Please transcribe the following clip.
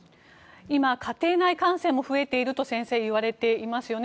今、家庭内感染も増えていると先生、言われていますよね。